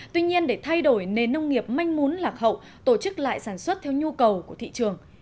tuy nhiên để thay đổi nền nông nghiệp manh mún lạc hậu tổ chức lại sản xuất theo nhu cầu của thị trường